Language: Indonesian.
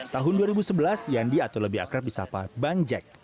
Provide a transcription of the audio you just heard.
tahun dua ribu sebelas yandi atau lebih akrab di sapa bang jack